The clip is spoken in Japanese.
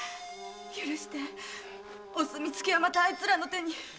許してお墨付きはまたあいつらの手に。